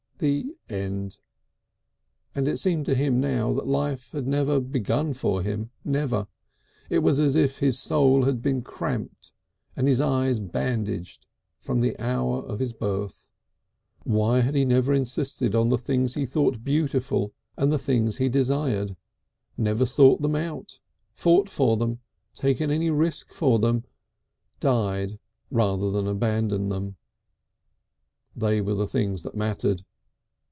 The end! And it seemed to him now that life had never begun for him, never! It was as if his soul had been cramped and his eyes bandaged from the hour of his birth. Why had he lived such a life? Why had he submitted to things, blundered into things? Why had he never insisted on the things he thought beautiful and the things he desired, never sought them, fought for them, taken any risk for them, died rather than abandon them? They were the things that mattered.